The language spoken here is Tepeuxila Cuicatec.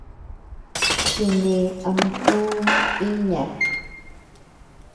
Chene am kuu iña.